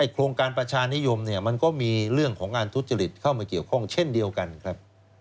โครงการประชานิยมมันก็มีเรื่องของงานทุจริตเข้ามาเกี่ยวข้องเช่นเดียวกันครับ